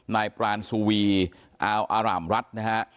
นายปรานซูวีอาวอารามรัฐนะฮะ